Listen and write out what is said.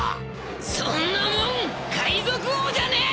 そんなもん海賊王じゃねえ！